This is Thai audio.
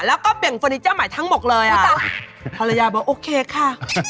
แล้วก็เปลี่ยนเฟอร์นิเจอร์ใหม่ทั้งหมดเลยอ่ะภรรยาบอกโอเคค่ะ